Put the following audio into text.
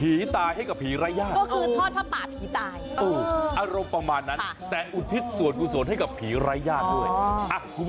อีกล็อบได้ไหม